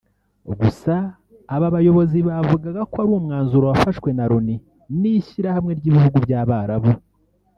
Gusa Aba bayobozi bavugaga ko ari umwanzuro wafashwe na Loni n’ishyirahamwe ry’ibihugu by’Abarabu